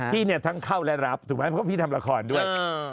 พี่เนี่ยทั้งเข้าและรับถูกไหมเพราะพี่ทำละครด้วย